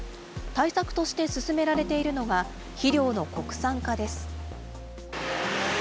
対策として進められているのが、肥料の国産化です。